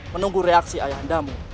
menunggu reaksi ayah anda